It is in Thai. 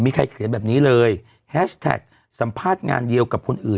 มีใครเขียนแบบนี้เลยแฮชแท็กสัมภาษณ์งานเดียวกับคนอื่น